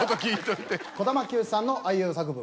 児玉清さんのあいうえお作文。